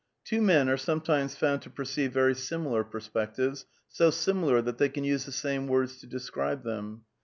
" Two men are sometimes f oimd to perceive very similar perspectives, so similar that they can use the same words to describe them.